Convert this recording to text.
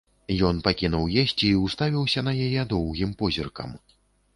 Ён пакінуў есці і ўставіўся на яе доўгім позіркам.